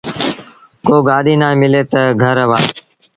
ڪو گآڏيٚ نا ملي تا گھر وهآن۔